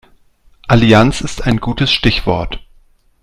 Allianz ist ein gutes Stichwort.